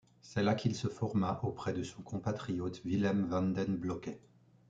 C'est là qu'il se forma auprès de son compatriote Willem van den Blocke.